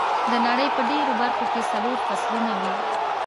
د نړۍ په ډېرو برخو کې څلور فصلونه وي.